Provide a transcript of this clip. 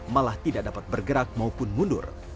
malah tidak dapat bergerak maupun mundur